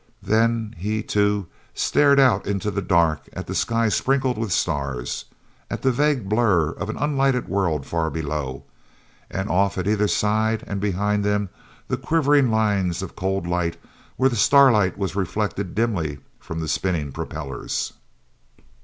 Then he, too, stared out into the dark at the sky sprinkled with stars, at the vague blur of an unlighted world far below, and off at either side and behind them the quivering lines of cold light where starlight was reflected dimly from the spinning propellers.